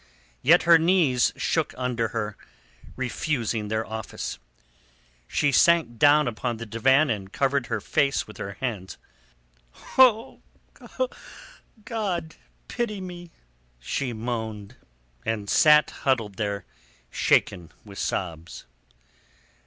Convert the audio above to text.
Yet her knees shook under her, refusing their office. She sank down upon the divan and covered her face with her hands. "God pity me!" she moaned, and sat huddled there, shaken with sobs.